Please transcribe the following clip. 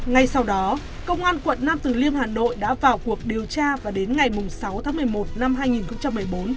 ngay sau đó công an quận nam từ liêm hà nội đã vào cuộc điều tra và đến ngày sáu tháng một mươi một năm hai nghìn một mươi bốn